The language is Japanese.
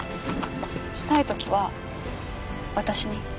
したい時は私に。